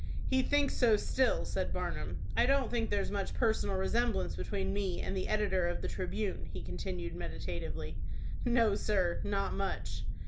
"He thinks so still," said Barnum. "I don't think there's much personal resemblance between me and the editor of the 'Tribune,'" he continued, meditatively. "No, sir, not much."